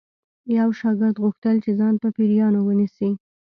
یو شاګرد غوښتل چې ځان په پیریانو ونیسي